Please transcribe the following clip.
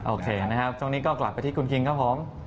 โอเคนะครับช่วงนี้ก็กลับไปที่คุณคิงครับผม